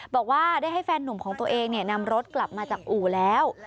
บอกว่าได้ให้แฟนหนุ่มของตัวเองนำรถกลับมาจากอู่แล้ว